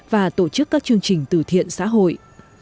và tổ chức các chương trình từ thiện xã hội